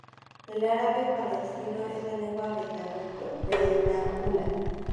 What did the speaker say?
El árabe palestino es la lengua vernácula.